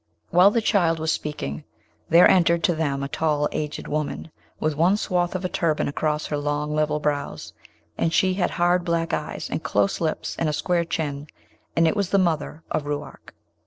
While the child was speaking there entered to them a tall aged woman, with one swathe of a turban across her long level brows; and she had hard black eyes, and close lips and a square chin; and it was the mother of Ruark.